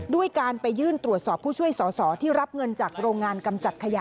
ด้วยการไปยื่นตรวจสอบผู้ช่วยสอสอที่รับเงินจากโรงงานกำจัดขยะ